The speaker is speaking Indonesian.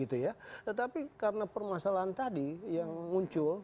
tetapi karena permasalahan tadi yang muncul